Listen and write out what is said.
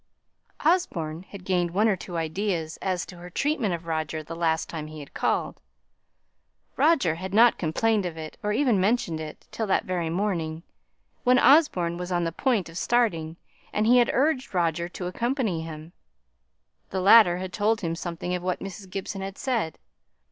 Osborne had gained one or two ideas as to her treatment of Roger the last time he had called. Roger had not complained of it, or even mentioned it, till that very morning; when Osborne was on the point of starting, and had urged Roger to accompany him, the latter had told him something of what Mrs. Gibson had said.